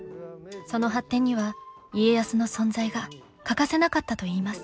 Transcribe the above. その発展には家康の存在が欠かせなかったといいます。